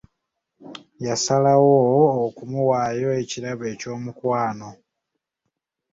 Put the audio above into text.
Yasalawo okumuwaayo ekirabo eky'omukwano.